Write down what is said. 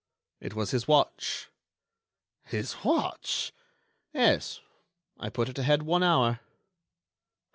"It was his watch." "His watch?" "Yes, I put it ahead one hour."